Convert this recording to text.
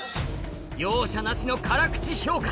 容赦なしの辛口評価